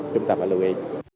chúng ta phải lưu ý